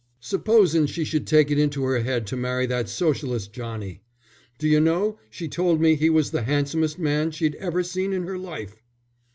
"Supposin' she should take it into her head to marry that Socialist Johnny? D'you know, she told me he was the handsomest man she'd ever seen in her life."